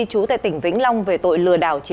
chú tệ tỉnh vĩnh long về tội lừa đảo